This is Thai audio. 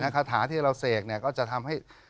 คาถาที่เราเสกก็จะทำให้